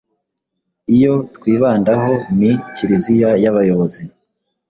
Iyo twibandaho ni Kiliziya y'abayobozi